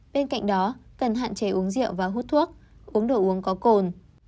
bên cạnh đó cần hạn chế uống rượu và hút thuốc uống đồ uống có cồn